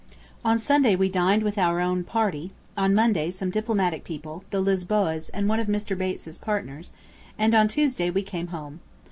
On Sunday we dined with out own party; on Monday some diplomatic people, the Lisboas and one of Mr. Bates's partners, and on Tuesday we came home.